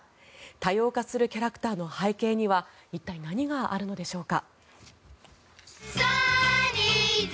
多様化するキャラクターの背景には一体、何があるのでしょうか。